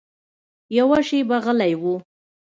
يوه شېبه غلى و.